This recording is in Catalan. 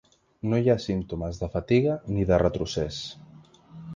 No hi ha símptomes de fatiga ni de retrocés.